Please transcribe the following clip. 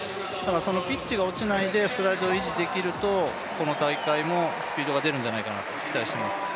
そのピッチが落ちないでストライドを維持できると、この大会もスピードが出るんじゃないかと、期待しています。